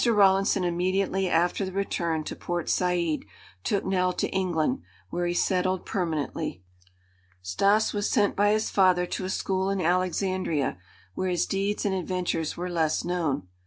Rawlinson immediately after the return to Port Said took Nell to England, where he settled permanently. Stas was sent by his father to a school in Alexandria, where his deeds and adventures were less known.